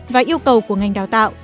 và yêu cầu của ngành đào tạo